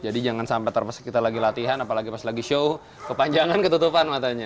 jadi jangan sampai kita lagi latihan apalagi pas lagi show kepanjangan ketutupan matanya